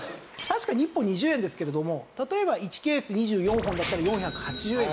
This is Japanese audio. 確かに１本２０円ですけれども例えば１ケース２４本だったら４８０円ですし。